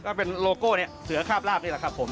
เราเป็นโลโก้เสือข้าบราบนี่แหละครับ